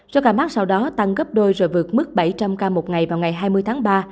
số ca mắc sau đó tăng gấp đôi rồi vượt mức bảy trăm linh ca một ngày vào ngày hai mươi tháng ba